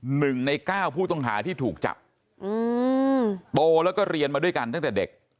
หนึ่งในเก้าผู้ต้องหาที่ถูกจับอืมโตแล้วก็เรียนมาด้วยกันตั้งแต่เด็ก